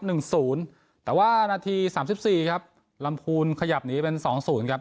หนึ่งศูนย์แต่ว่านาทีสามสิบสี่ครับลำพูนขยับหนีเป็นสองศูนย์ครับ